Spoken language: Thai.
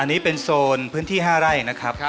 อันนี้เป็นโซนพื้นที่๕ไร่นะครับ